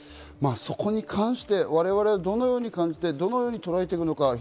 そこに関して我々はどのように感じて、どのようにとらえていくのか。